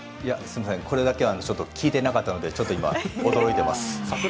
これだけは、ちょっと聞いていなかったのでちょっと今、驚いています。